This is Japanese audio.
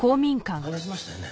話しましたよね？